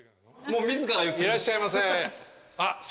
いらっしゃいませ。